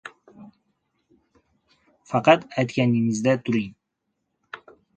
Faqat aytganingizda turing